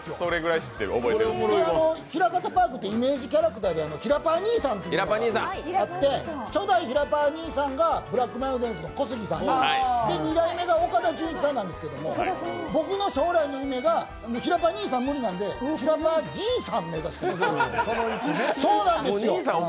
ひらかたパークってイメージキャラクターでひらパー兄さんというのがいて初代ひらパー兄さんがブラックマヨネーズの小杉さん２代目が岡田准一さんなんですけど僕の将来の夢が、ひらパー兄さん無理なので、ひらパーじいさん目指してます。